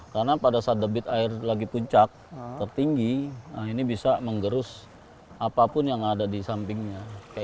karena pada saat debit air lagi puncak tertinggi ini bisa menggerus apapun yang ada di sampingnya